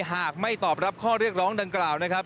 หากไม่ตอบรับข้อเรียกร้องดังกล่าวนะครับ